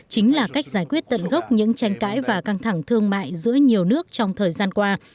chính là cách giải quyết tận gốc những tranh cãi và căng thẳng thương mại giữa nhiều nước trong thời gian qua